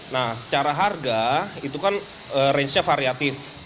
nah secara harga itu kan range nya variatif